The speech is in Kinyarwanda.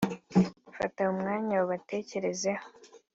Fata umwanya ubatekerezeho